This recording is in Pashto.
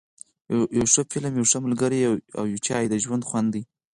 یو ښه فلم، یو ښه ملګری او یو چای ، د ژوند خوند دی.